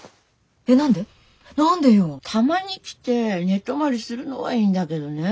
えっ何で何でよ。たまに来て寝泊まりするのはいいんだけどねぇ。